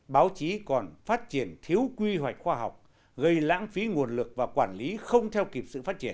báo chí còn phát triển thiếu quy hoạch khoa học gây lãng phí nguồn lực và quản lý không theo kịp sự phát triển